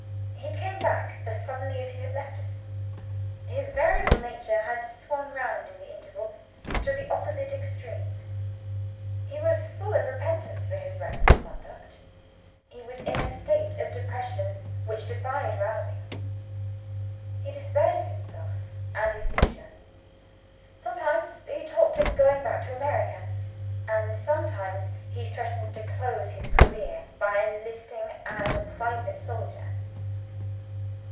He came back as suddenly as he had left us. His variable nature had swung round, in the interval, to the opposite extreme. He was full of repentance for his reckless conduct; he was in a state of depression which defied rousing; he despaired of himself and his future. Sometimes he talked of going back to America; and sometimes he threatened to close his career by enlisting as a private soldier.